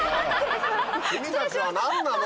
君たちは何なの？